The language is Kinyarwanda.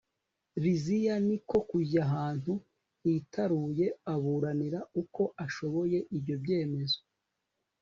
liziya ni ko kujya ahantu hitaruye, aburanira uko ashoboye ibyo byemezo